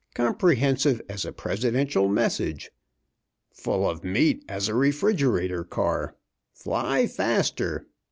Comprehensive as a presidential message. Full of meat as a refrigerator car. 'Fly faster!'